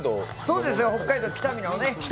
そうですよ、北海道北見のね。